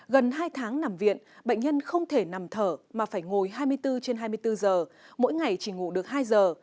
gần hai tháng nằm viện bệnh nhân không thể nằm thở mà phải ngồi hai mươi bốn trên hai mươi bốn giờ mỗi ngày chỉ ngủ được hai giờ